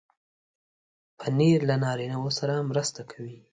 پنېر له نارینو سره مرسته کوي.